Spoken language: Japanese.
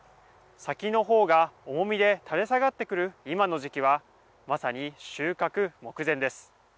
先のほうが重みで垂れ下がってくる今の時期はまさに、収穫目前です。